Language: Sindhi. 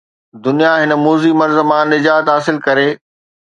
دنيا هن موذي مرض مان نجات حاصل ڪري.